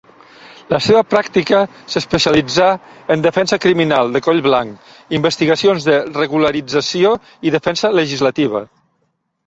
La seva pràctica s'especialitza en defensa criminal de coll blanc, investigacions de regularització i defensa legislativa.